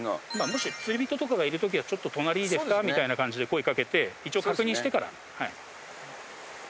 もし釣り人とかがいる時は「ちょっと隣いいですか？」みたいな感じで声掛けて一応確認してから。